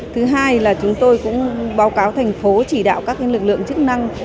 thứ hai là chúng tôi cũng báo cáo thành phố chỉ đạo các lực lượng chức năng